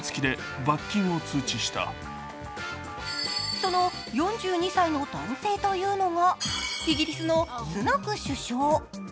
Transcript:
その４２歳の男性というのが、イギリスのスナク首相。